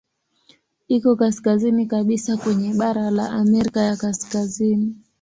Iko kaskazini kabisa kwenye bara la Amerika ya Kaskazini.